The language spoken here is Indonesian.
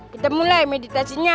kita mulai meditasinya